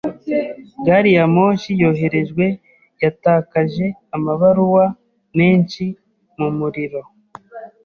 Gari ya moshi yoherejwe yatakaje amabaruwa menshi mu muriro.